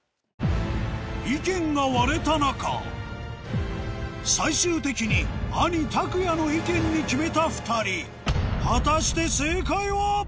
意見が割れた中最終的に兄たくやの意見に決めた２人果たして正解は？